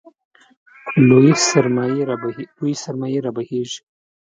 لویې سرمایې رابهېږي.